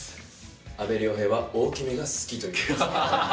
阿部亮平は大きめが好きということで。